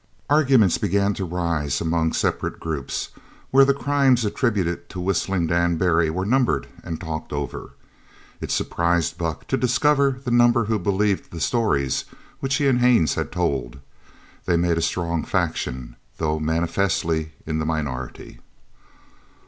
Arguments began to rise among separate groups, where the crimes attributed to Whistling Dan Barry were numbered and talked over. It surprised Buck to discover the number who believed the stories which he and Haines had told. They made a strong faction, though manifestly in the minority.